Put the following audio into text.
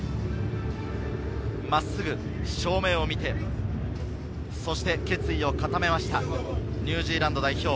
真っすぐ正面を見て、そして決意を固めましたニュージーランド代表。